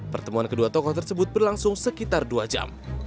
pertemuan kedua tokoh tersebut berlangsung sekitar dua jam